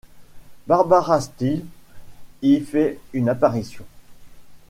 Barbara Steele y fait une apparition.